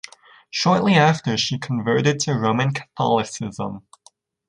Shortly after that she converted to Roman Catholicism.